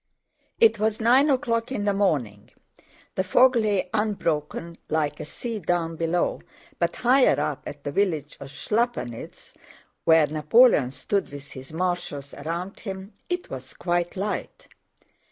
It was nine o'clock in the morning. The fog lay unbroken like a sea down below, but higher up at the village of Schlappanitz where Napoleon stood with his marshals around him, it was quite light.